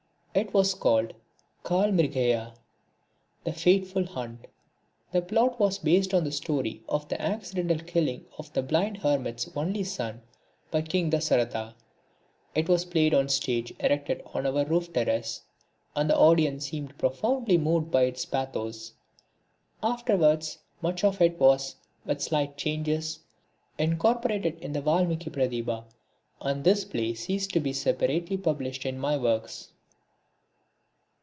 It was called the Kal Mrigaya, The Fateful Hunt. The plot was based on the story of the accidental killing of the blind hermit's only son by King Dasaratha. It was played on a stage erected on our roof terrace, and the audience seemed profoundly moved by its pathos. Afterwards, much of it was, with slight changes, incorporated in the Valmiki Pratibha, and this play ceased to be separately published in my works.